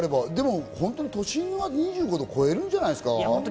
でも都心は２５度超えるんじゃないですか？